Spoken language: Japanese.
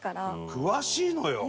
詳しいのよ！